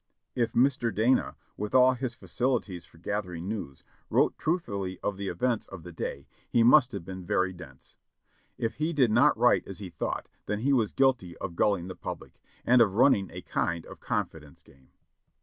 If Mr. Dana, with all his facilities for gathering news, wrote truthfully of the events of the day, he must have been very dense. If he did not write as he thought, then he was guilty of gulling the public, and of running a kind of confidence game.